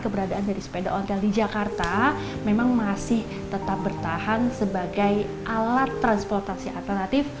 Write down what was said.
keberadaan dari sepeda ontel di jakarta memang masih tetap bertahan sebagai alat transportasi alternatif